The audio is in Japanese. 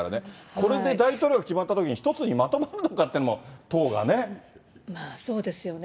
これで大統領が決まったときに一つにまとまるのかっていうのも、そうですよね。